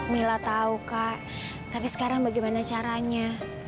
mila tahu kak tapi sekarang bagaimana caranya